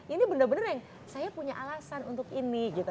ini bener bener yang saya punya alasan untuk ini gitu